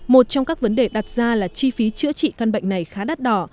một trong các vấn đề đặt ra là chi phí chữa trị căn bệnh này khá đắt đỏ